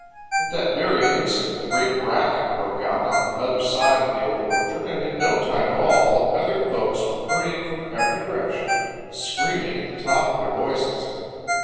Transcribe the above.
At that very instant a great racket broke out on the other side of the Old Orchard and in no time at all the feathered folks were hurrying from every direction, screaming at the top of their voices.